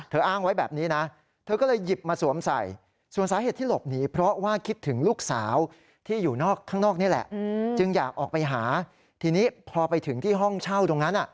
ทีนี้พอไปถึงที่ห้องเช่าตรงนั้น